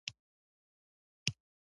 د حميد درک نه و.